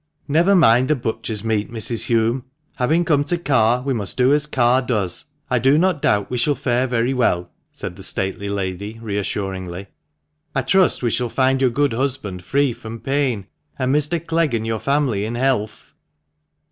" Never mind the butcher's meat, Mrs. Hulme ; having come to Carr, we must do as Carr does. I do not doubt we shall fare very well," said the stately lady, reassuringly. " I trust we shall find your good husband free from pain, and Mr. Clegg and your family in health."